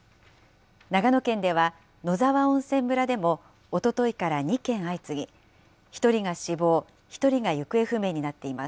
長野県では、野沢温泉村でもおとといから２件相次ぎ、１人が死亡、１人が行方不明になっています。